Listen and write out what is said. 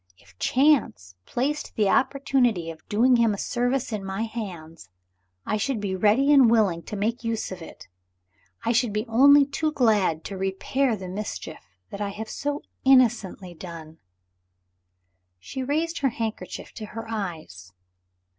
If chance placed the opportunity of doing him a service in my hands, I should be ready and willing to make use of it I should be only too glad to repair the mischief that I have so innocently done." She raised her handkerchief to her eyes.